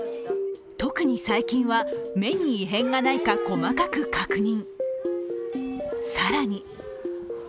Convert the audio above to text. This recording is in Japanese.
特に最近は、目に異変がないか細かく確認。